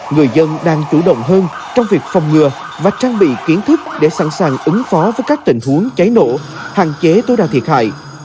người dân đang chủ động hơn trong việc phòng ngừa và trang bị kiến thức để sẵn sàng ứng phó với các tình huống cháy nổ hạn chế tối đa thiệt hại